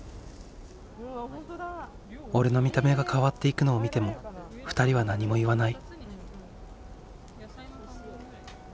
俺の見た目が変わっていくのを見ても２人は何も言わない。